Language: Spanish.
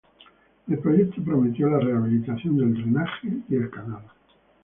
El proyecto prometió la rehabilitación del drenaje y el canal.